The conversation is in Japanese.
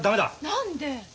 何で？